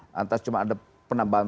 lantas cuma ada penambahan